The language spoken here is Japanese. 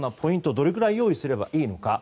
どれくらい用意すればいいのか。